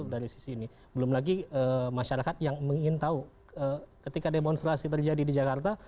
dari sini belum lagi masyarakat yang ingin tahu ketika demonstrasi terjadi di jakarta